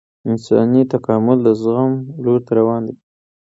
انساني تکامل د زغم لور ته روان دی